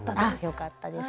よかったです。